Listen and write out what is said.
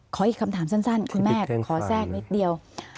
อีกคำถามสั้นคุณแม่ขอแทรกนิดเดียว